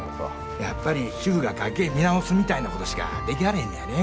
やっぱり主婦が家計見直すみたいなことしかできはれへんのやねぇ。